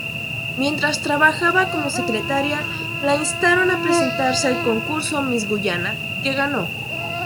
Mientras trabajaba como secretaria, la instaron a presentarse al concurso Miss Guyana, que ganó.